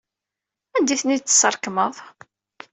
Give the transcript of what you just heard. Anda ay ten-id-tesrekmeḍ?